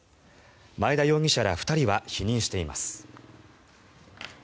前田容疑者ら２人は否認しています。